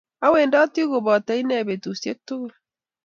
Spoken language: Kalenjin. Awendoti koboto ine betusiek tugul